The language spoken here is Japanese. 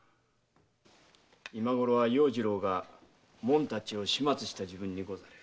今ごろは要次郎がもんたちを始末した時分にござる。